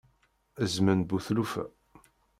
Zzman bu tlufa.